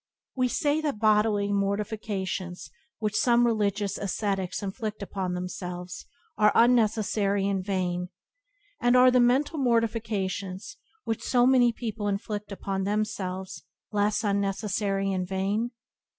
We say that bodily mortifications which some religious ascetics inflict upon themselves are unnecessary and vain; and are the mental mortifications which so many people inflict upon themselves less unnecessary and vain?